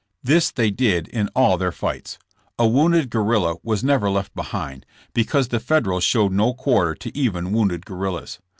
This they did in all their fights. A wounded guerrilla was never left behind, because the Federals showed no quarter to even wounded guerrillas.